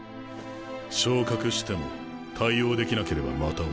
昇格しても対応できなければまた落とされる。